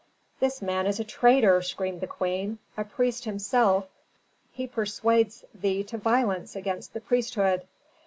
"This man is a traitor!" screamed the queen. "A priest himself, he persuades thee to violence against the priesthood."